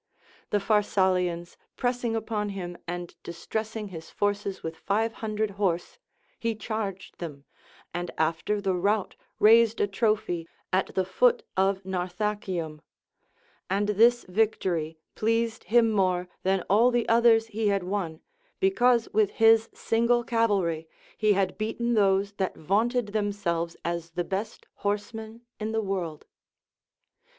The Pharsalians pressing upon him and dis tressing his forces with five hundred horse, he charged them, and after the rout raised a tJOphy at the foot of 392 LACONIC APOPHTHEGMS. Narthacium. And this victory pleased him more than all the others he had won, because with his single cavalry he had beaten those that vaunted themselves as the best horsemen in the world.